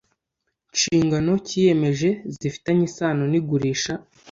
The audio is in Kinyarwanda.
nshingano cyiyemeje zifitanye isano n igurisha